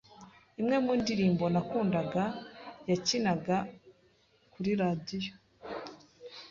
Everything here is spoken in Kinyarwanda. Imwe mu ndirimbo nakundaga yakinaga kuri radiyo.